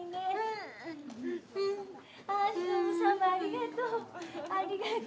ありがとう。